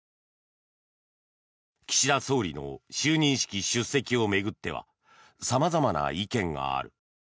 岸田総理の就任式出席を巡っては様々な意見がある。